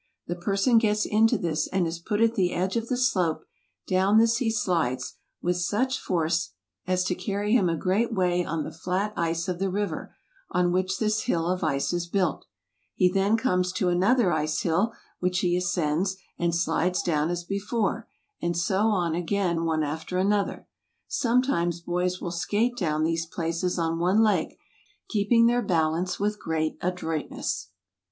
The person gets into this, and is put at the edge of the slope; down this he slides, with such force as to carry Rils sin .3 99 RUSSIA. 31 him a great way on the flat ice of the river, on which this hill of ice is built. He then comes to another ice hill, which he ascends, and slides down as before; and so on again, one after ano¬ ther. Sometimes boys will skait down these places on one leg, keeping their balance with great adroitness.